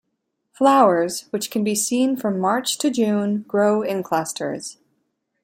Flowers, which can be seen from March to June, grow in clusters.